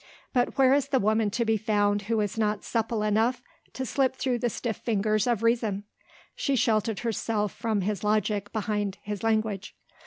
But where is the woman to be found who is not supple enough to slip through the stiff fingers of Reason? She sheltered herself from his logic behind his language.